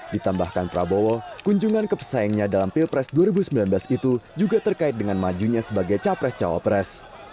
ditambahkan prabowo kunjungan kepesaingnya dalam pilpres dua ribu sembilan belas itu juga terkait dengan majunya sebagai capres cawapres